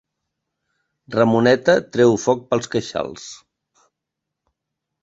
Ramoneta treu foc pels queixals.